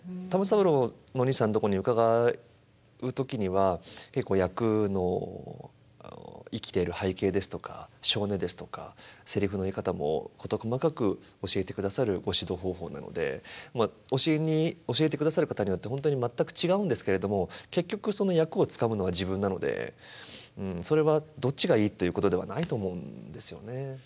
玉三郎のおにいさんとこに伺う時には結構役の生きてる背景ですとか性根ですとかセリフの言い方も事細かく教えてくださるご指導方法なので教えてくださる方によって本当に全く違うんですけれども結局その役をつかむのは自分なのでそれはどっちがいいということではないと思うんですよね。